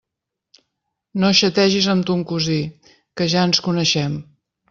No xategis amb ton cosí, que ja ens coneixem!